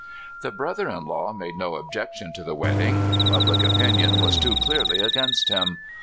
The brother in law made no objection to the wedding. Public opinion was too clearly against him.